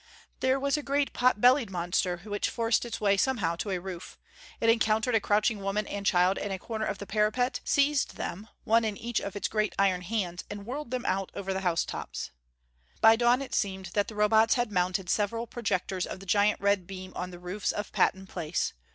There was a great pot bellied monster which forced its way somehow to a roof. It encountered a crouching woman and child in a corner of the parapet, seized them, one in each of its great iron hands, and whirled them out over the housetops. By dawn it seemed that the Robots had mounted several projectors of the giant red beam on the roofs of Patton Place.